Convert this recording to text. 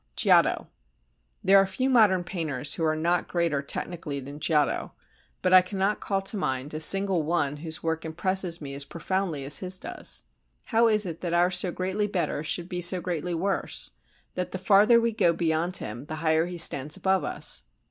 Giotto There are few modern painters who are not greater technically than Giotto, but I cannot call to mind a single one whose work impresses me as profoundly as his does. How is it that our so greatly better should be so greatly worse—that the farther we go beyond him the higher he stands above us?